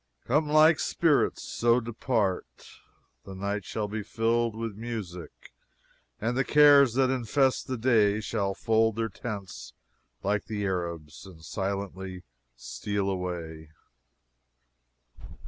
"COME LIKE SPIRITS, SO DEPART." "The night shall be filled with music, And the cares that infest the day Shall fold their tents like the Arabs, And as silently steal away."